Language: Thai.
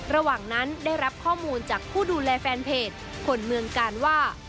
ระหว่างนั้นได้รับข้อมูลจากผู้ดูแลแฟนเพจคนเมืองกาลว่า